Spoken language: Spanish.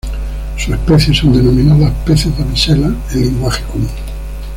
Sus especies son denominadas peces damisela en lenguaje común.